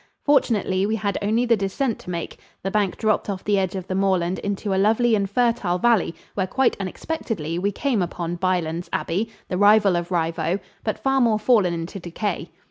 Fortunately, we had only the descent to make. The bank dropped off the edge of the moorland into a lovely and fertile valley, where, quite unexpectedly, we came upon Bylands Abbey, the rival of Rievaulx, but far more fallen into decay.